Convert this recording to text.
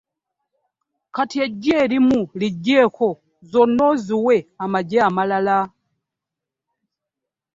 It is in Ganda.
Kati eggi erimu ligiggyeeko zonna oziwe amagi amalala.